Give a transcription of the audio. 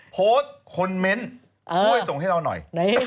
โพสต์คอมเมนต์ช่วยส่งให้เราหน่อย